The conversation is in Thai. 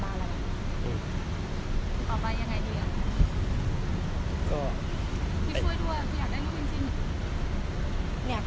ต่อไปยังไงดีอะก็พี่ช่วยด้วยพี่อยากได้รูปจริงจริง